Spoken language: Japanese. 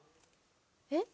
えっ？